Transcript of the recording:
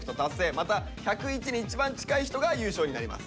また１０１に一番近い人が優勝になります。